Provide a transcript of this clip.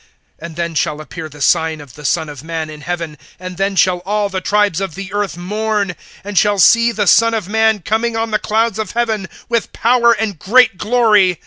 (30)And then shall appear the sign of the Son of man in heaven; and then shall all the tribes of the earth[24:30] mourn, and shall see the Son of man coming on the clouds of heaven, with power and great glory.